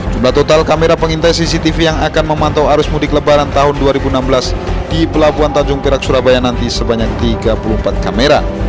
jumlah total kamera pengintai cctv yang akan memantau arus mudik lebaran tahun dua ribu enam belas di pelabuhan tanjung perak surabaya nanti sebanyak tiga puluh empat kamera